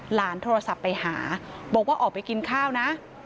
หลานโทรศัพท์ไปหาบอกว่าออกไปกินข้าวนะ